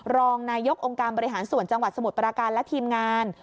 รองนายกองค์การบริหารส่วนจังหวัดสมุทรปราการและทีมงาน